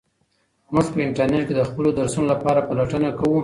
موږ په انټرنیټ کې د خپلو درسونو لپاره پلټنه کوو.